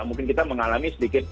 mungkin kita mengalami sedikit